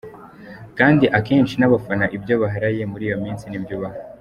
Kandi akenshi na’bafana ibyo baharaye muri iyo minsi nibyo ubaha.